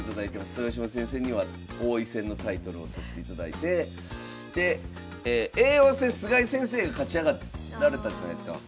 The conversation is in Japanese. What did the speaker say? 豊島先生には王位戦のタイトルを取っていただいて叡王戦菅井先生が勝ち上がられたじゃないすか。